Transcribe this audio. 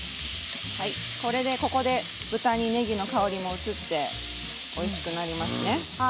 ここで豚にねぎの香りも移っておいしくなります。